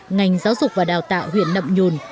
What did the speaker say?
ngành giáo dục và đào tạo huyện nậm nhùn